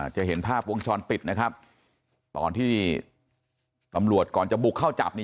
จะเห็นภาพวงจรปิดนะครับตอนที่ตำรวจก่อนจะบุกเข้าจับนี่